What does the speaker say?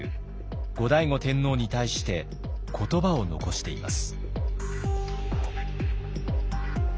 後醍醐天皇に対して言葉を残しています。